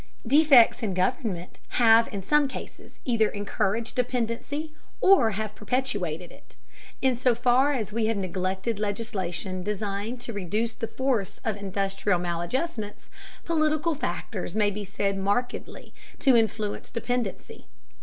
Defects in government have in some cases either encouraged dependency, or have perpetuated it. In so far as we have neglected legislation designed to reduce the force of industrial maladjustments, political factors may be said markedly to influence dependency.